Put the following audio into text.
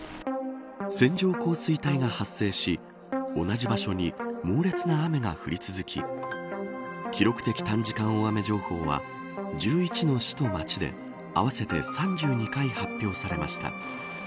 線状降水帯が発生し同じ場所に猛烈な雨が降り続き記録的短時間大雨情報は１１の市と町で合わせて３２回発表されました。